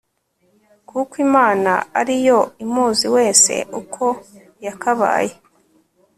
kuko imana ari yo imuzi wese uko yakabaye